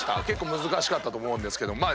結構難しかったと思うんですけど。